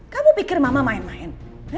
kamu pikir mama main main